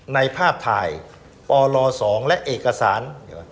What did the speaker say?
ในภาพถ่ายปล๒และเอกสาร